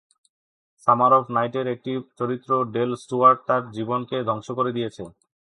"Summer of নাইটের" একটি চরিত্র ডেল স্টুয়ার্ট তার জীবনকে ধ্বংস করে দিয়েছে।